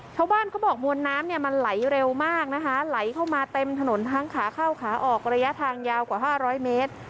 เขาบอกมวลน้ำเนี่ยมันไหลเร็วมากนะคะไหลเข้ามาเต็มถนนทั้งขาเข้าขาออกระยะทางยาวกว่า๕๐๐เมตร